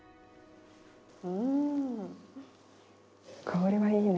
うん香りがいいね。